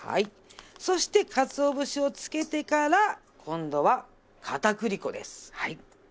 そしてかつお節をつけてから今度は片栗粉です。